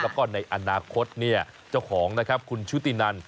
แล้วก็ในอนาคตเนี่ยเจ้าของนะครับคุณชุตินัน